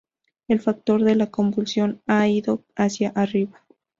El factor de convulsión ha ido hacia arriba...".